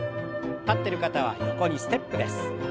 立ってる方は横にステップです。